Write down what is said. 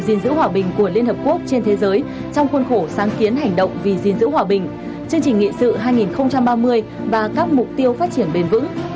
diện giữ hòa bình của liên hợp quốc trên thế giới trong khuôn khổ sáng kiến hành động vì diên dữ hòa bình chương trình nghị sự hai nghìn ba mươi và các mục tiêu phát triển bền vững